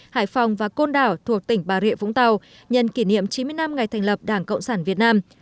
hải phòng và côn đảo thuộc tỉnh bà rịa vũng tàu nhân kỷ niệm chín mươi năm ngày thành lập đảng cộng sản việt nam